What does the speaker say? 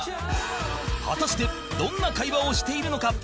果たしてどんな会話をしているのか？